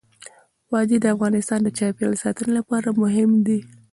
وادي د افغانستان د چاپیریال ساتنې لپاره مهم دي.